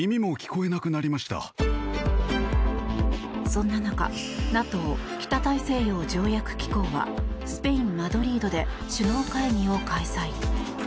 そんな中ＮＡＴＯ・北大西洋条約機構はスペイン・マドリードで首脳会議を開催。